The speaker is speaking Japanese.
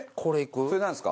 それなんですか？